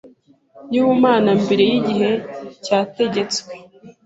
y’ubumana mbere y’igihe cyategetswe.